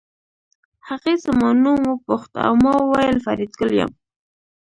هغې زما نوم وپوښت او ما وویل فریدګل یم